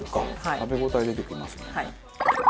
食べ応え出てきますもんね。